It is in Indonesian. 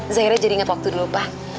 zaira jadi inget waktu dulu pah